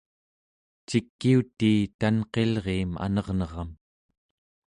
cikiutii tanqilriim anerneram